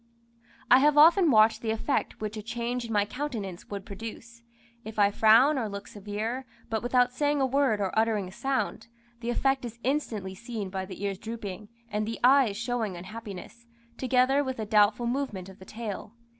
I have often watched the effect which a change in my countenance would produce. If I frown or look severe, but without saying a word or uttering a sound, the effect is instantly seen by the ears dropping, and the eyes showing unhappiness, together with a doubtful movement of the tail.